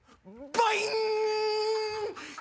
バイン！